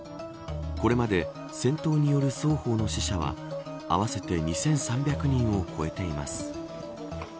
これまで戦闘による双方の死者は合わせて２３００人を超えています。